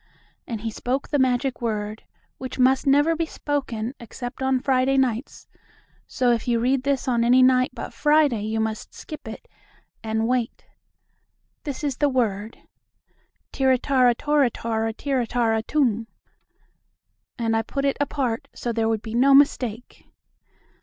And he spoke the magic word, which must never be spoken except on Friday nights, so if you read this on any night but Friday you must skip it, and wait. The word is (Tirratarratorratarratirratarratum), and I put it in brackets, so there would be no mistake.